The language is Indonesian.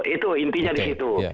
itu intinya di situ